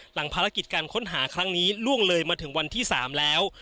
หลังภารกิจการค้นหาครั้งนี้ล่วงเลยมาถึงวันที่๓แล้ว